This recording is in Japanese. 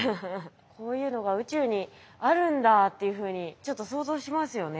こういうのが宇宙にあるんだっていうふうにちょっと想像しますよね。